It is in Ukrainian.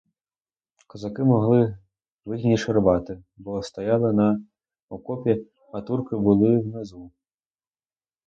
Козаки могли вигідніше рубати, бо стояли на окопі, а турки були внизу.